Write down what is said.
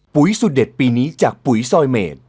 สุดเด็ดปีนี้จากปุ๋ยซอยเมด